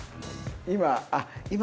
今あっ今。